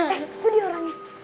eh tuh dia orangnya